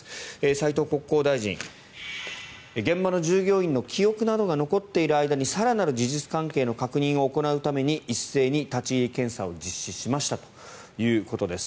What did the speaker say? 斉藤国交大臣現場の従業員の記憶などが残っている間に更なる事実関係の確認を行うために一斉に立ち入り検査を実施しましたということです。